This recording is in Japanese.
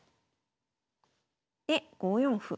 で５四歩。